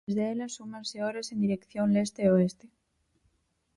Desde elas súmanse horas en dirección leste e oeste.